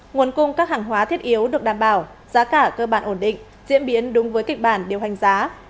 nguồn cung các hàng hóa thiết yếu được đảm bảo giá cả cơ bản ổn định diễn biến đúng với kịch bản điều hành giá